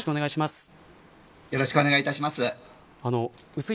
よろしくお願いします。